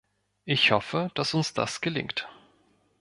Ich hoffe, dass uns das gelingt.